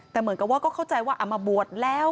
แต่เหมือนกับว่าก็เข้าใจว่าเอามาบวชแล้ว